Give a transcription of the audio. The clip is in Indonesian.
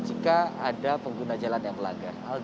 jika ada pengguna jalan yang melanggar